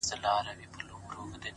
• درته به وايي ستا د ښاريې سندري؛